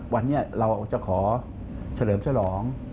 วันนี้เราจะขอเฉลิมเสื้อหลอง